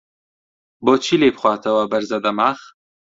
بۆ چی لێی بخواتەوە بەرزە دەماخ؟!